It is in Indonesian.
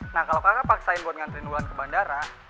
nah kalau kakak paksain buat nganterin wulan ke bandara